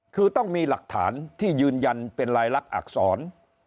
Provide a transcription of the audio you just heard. คือต้องมีหลักฐานที่ยืนยันเป็นรายลักษณอักษร